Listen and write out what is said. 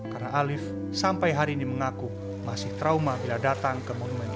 karena alif sampai hari ini mengaku masih trauma bila datang ke monumen itu